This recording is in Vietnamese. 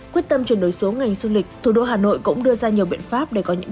quyết tâm chuyển đổi số ngành du lịch thủ đô hà nội cũng đưa ra nhiều biện pháp để có những